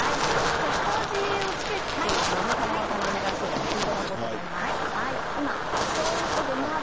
下味を付けて下味も華丸さんにお願いしようと思います。